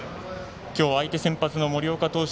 今日は相手先発の森岡投手